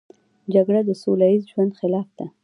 جګړه د سوله ییز ژوند خلاف ده